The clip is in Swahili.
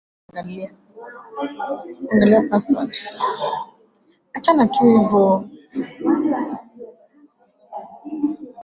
aa kundi lao kesho siku jumamosi india